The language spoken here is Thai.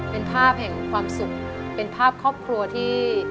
เป็นภาพแห่งความสุขเป็นภาพครอบครัวที่